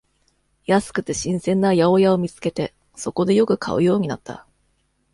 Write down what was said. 安くて新鮮な八百屋を見つけて、そこでよく買うようになった